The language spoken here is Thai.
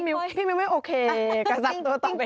พี่มิ้วไม่โอเคกับ๓ตัวต่อไป